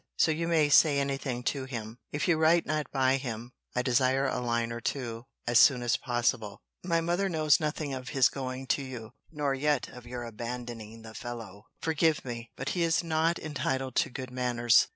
So you may say anything to him. If you write not by him, I desire a line or two, as soon as possible. My mother knows nothing of his going to you; nor yet of your abandoning the fellow. Forgive me! But he is not entitled to good manners.